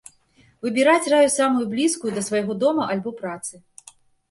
Выбіраць раю самую блізкую да свайго дома альбо працы.